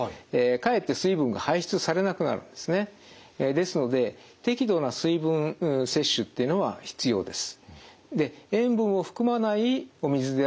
ですので適度な水分摂取っていうのは必要です。